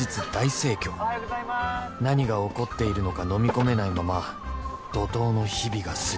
［何が起こっているのかのみ込めないまま怒濤の日々が過ぎ］